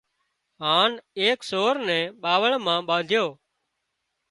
هانَ ايڪ سور نين ٻاوۯ مان ٻانڌيو